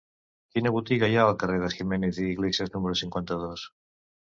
Quina botiga hi ha al carrer de Jiménez i Iglesias número cinquanta-dos?